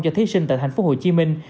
cho thí sinh tại thành phố hồ chí minh